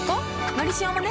「のりしお」もね